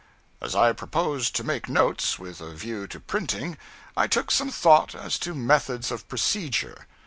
As I proposed to make notes, with a view to printing, I took some thought as to methods of procedure.